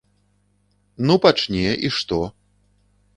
Ну пачне і што?!